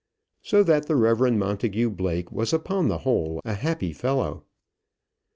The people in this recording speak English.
So that the Rev Montagu Blake was upon the whole a happy fellow.